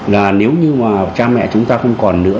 là nếu như mà cha mẹ chúng ta không còn nữa